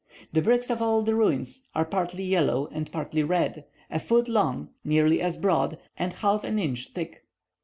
The bricks of all the ruins are partly yellow and partly red, a foot long, nearly as broad, and half an inch thick.